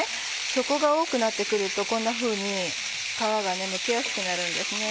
そこが多くなって来るとこんなふうに皮がむけやすくなるんですね。